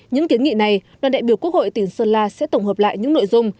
những kiến nghị này đoàn đại biểu quốc hội tỉnh sơn la sẽ tổng hợp lại những nội dung